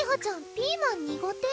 ピーマン苦手？